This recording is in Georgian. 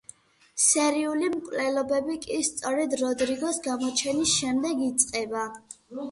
სერიული მკვლელობები კი სწორედ როდრიგოს გამოჩენის შემდეგ იწყება.